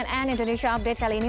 cnn indonesia update kali ini